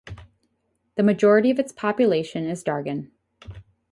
The majority of its population is Dargin.